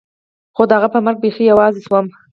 خو د هغه په مرګ بيخي يوازې سوم.